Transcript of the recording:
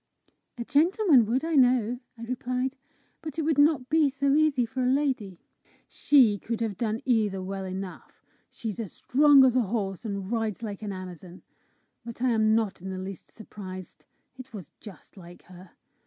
"A gentleman would, I know," I replied. "But it would not be so easy for a lady!" "She could have done either well enough. She's as strong as a horse herself, and rides like an Amazon. But I am not in the least surprised: it was just like her!